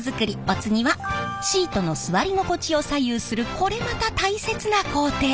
お次はシートの座り心地を左右するこれまた大切な工程。